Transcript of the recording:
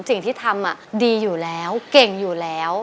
สิ่งที่ทำดีอยู่แล้วเก่งอยู่แล้ว